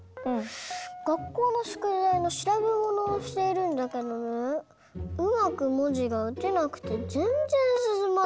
がっこうのしゅくだいのしらべものをしているんだけどねうまくもじがうてなくてぜんぜんすすまないんだよ。